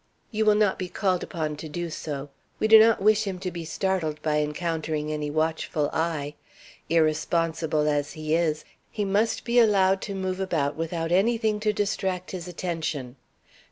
"You will not be called upon to do so. We do not wish him to be startled by encountering any watchful eye. Irresponsible as he is, he must be allowed to move about without anything to distract his attention.